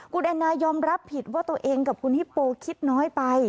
คุณแอนนายอมรับผิดว่าตัวเองกับคุณฮิปโปคิดน้อยไป